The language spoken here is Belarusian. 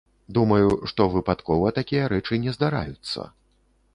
Думаю, што выпадкова такія рэчы не здараюцца.